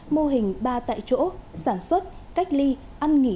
mô hình ba tại chỗ sản xuất cách ly ăn nghỉ